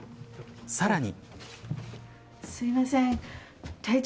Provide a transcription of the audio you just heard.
さらに。